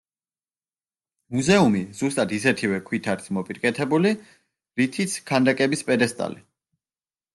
მუზეუმი, ზუსტად ისეთივე ქვით არის მოპირკეთებული, რითიც ქანდაკების პედესტალი.